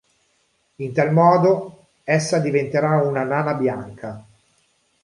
In tal modo essa diventerà una nana bianca.